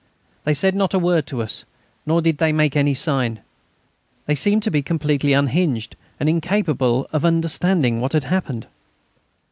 They said not a word to us, nor did they make any sign; they seemed to be completely unhinged and incapable of understanding what had happened.